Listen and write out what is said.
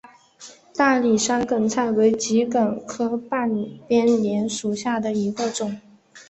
大理山梗菜为桔梗科半边莲属下的一个种。